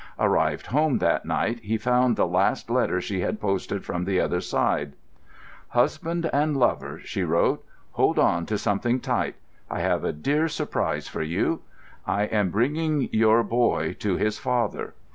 Arrived home that night, he found the last letter she had posted from the other side. "Husband and lover," she wrote, "hold on to something tight. I have a dear surprise for you. I am bringing your boy to his father.